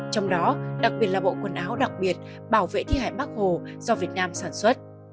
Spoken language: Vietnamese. trong đó đặc biệt là bộ quần áo đặc biệt bảo vệ thi hải bắc hồ do việt nam sản xuất